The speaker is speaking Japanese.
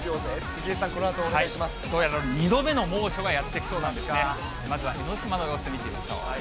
杉江さん、どうやら２度目の猛暑がやって来そうなんですが、まずは江の島の様子、見てみましょう。